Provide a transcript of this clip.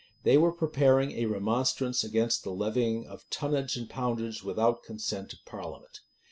They were preparing a remonstranace against the levying of tonnage and poundage without consent of parliament.